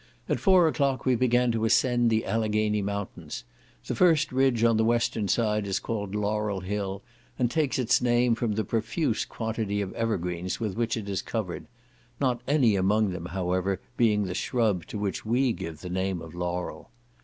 At four o'clock we began to ascend the Alleghany mountains: the first ridge on the western side is called Laurel Hill, and takes its name from the profuse quantity of evergreens with which it is covered; not any among them, however, being the shrub to which we give the name of laurel.